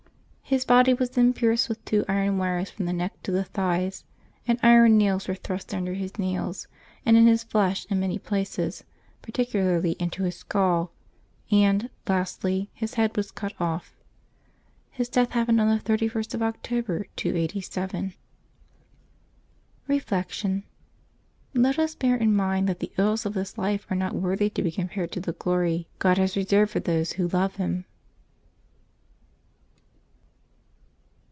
His body was then pierced with two iron wires from the neck to the thighs, and iron nails were thrust under his nails, and in his flesh in many places, par ticularly into his skull; and, lastly, his head was cut off. His death happened on the 31st of October, 287. Reflection. — Let us bear in mind that the ills of this life are not worthy to be compared to the glory " God has reserved for those who love Him.'